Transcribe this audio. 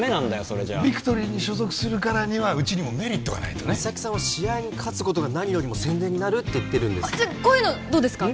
それじゃビクトリーに所属するからにはうちにもメリットがないとね三咲さんは試合に勝つことが何よりも宣伝になるって言ってるんですじゃこういうのどうですか？